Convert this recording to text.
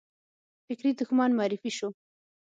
فکري دښمن معرفي شو